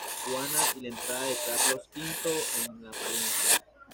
Juana" y la "Entrada de Carlos V en Palencia".